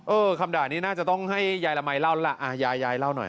เออคำด่านี่น่าจะต้องให้ยายละมัยเล่าแล้วล่ะอ่ะยายยายเล่าหน่อยอ่ะ